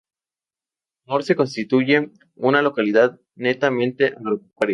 Morse constituye una localidad netamente agropecuaria.